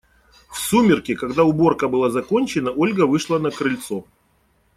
В сумерки, когда уборка была закончена, Ольга вышла на крыльцо.